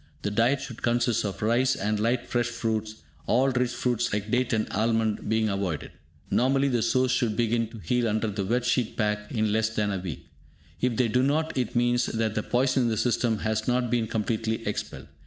The diet should consist of rice, and light fresh fruits, all rich fruits like date and almond being avoided. Normally the sores should begin to heal under the "Wet Sheet Pack" in less than a week; if they do not, it means that the poison in the system has not been completely expelled.